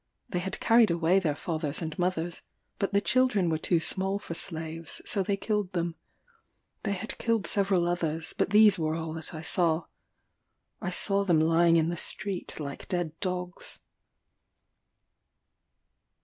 They had carried away their fathers and mothers, but the children were too small for slaves, so they killed them. They had killed several others, but these were all that I saw. I saw them lying in the street like dead dogs.